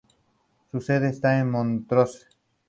Su sede está en Montrose.